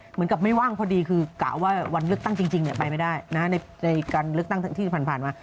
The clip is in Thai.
เหมือนกับไม่ว่างพอดีคือกะว่าวันเลือกตั้งจริงไปไม่ได้ในการเลือกตั้งที่ผ่านมา